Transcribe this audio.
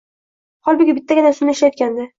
Holbuki, bittagina usulni ishlatayotgandi